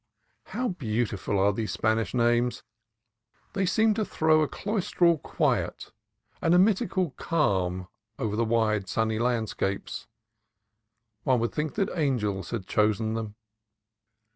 How beautiful are these Spanish names! They seem to throw a cloistral quiet, an eremitical calm, over the wide, sunny landscapes. One would think that an gels had chosen them.